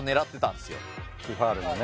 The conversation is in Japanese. ティファールのね